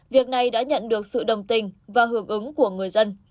việc này đã nhận được sự đồng tình và hưởng ứng của người dân